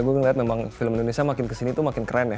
gue ngeliat memang film indonesia makin kesini tuh makin keren ya